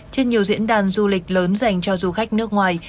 trên nhiều diễn đàn du lịch lớn dành cho du khách nước ngoài